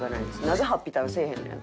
「なぜハッピ隊をせえへんねや」